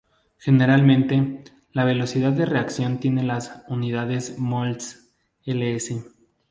Generalmente, la velocidad de reacción tiene las unidades mol·L·s.